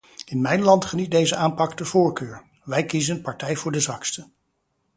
In mijn land geniet deze aanpak de voorkeur: wij kiezen partij voor de zwakste.